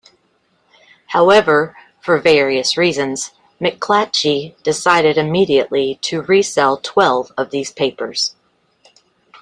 However, for various reasons, McClatchy decided immediately to resell twelve of these papers.